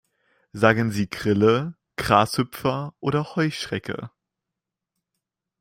Sagen Sie Grille, Grashüpfer oder Heuschrecke?